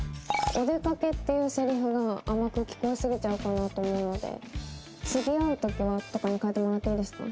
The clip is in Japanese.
「お出かけ」っていうセリフが甘く聞こえすぎちゃうかなと思うので「次会う時は」とかに変えてもらっていいですか？